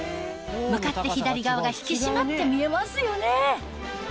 向かって左側が引き締まって見えますよね